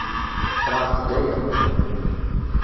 Ɣṛet-d aya!